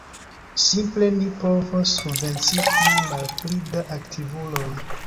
Simple ni povos subvencii malpli da aktivuloj.